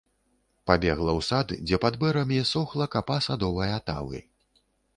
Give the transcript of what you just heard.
Пабегла ў сад, дзе пад бэрамі сохла капа садовай атавы.